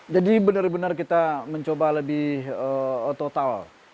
jadi benar benar kita mencoba lebih total